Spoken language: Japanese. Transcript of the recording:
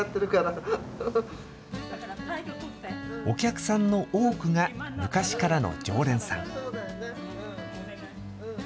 お客さんの多くが昔からの常連さん。